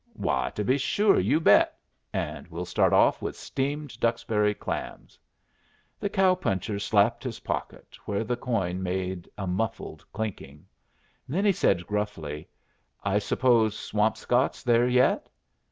'Why, to be sure, you bet!' And we'll start off with steamed Duxbury clams." The cow puncher slapped his pocket, where the coin made a muffled chinking. Then he said, gruffly, "I suppose Swampscott's there yet?"